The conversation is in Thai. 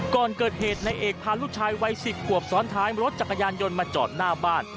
ก่อนเกิดเหตุในเอกพาลูกชายวัย๑๐ขวบซ้อนท้ายรถจักรยานยนต์มาจอดหน้าบ้าน